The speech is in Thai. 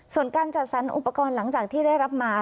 ส่วนการจัดสรรอุปกรณ์หลังจากที่ได้รับมา